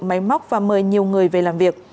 máy móc và mời nhiều người về làm việc